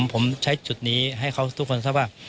ผมใช้จุดนี้ให้เขาทุกคนทราบว่า